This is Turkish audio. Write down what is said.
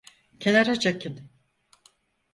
Kenara çekin!